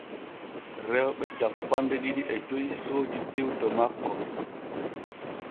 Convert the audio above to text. Rewɓe cappanɗe ɗiɗi e joy soodi tew to makko.